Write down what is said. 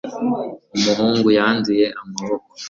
umuhungu yanduye amaboko